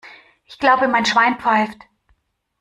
Ich glaube, mein Schwein pfeift!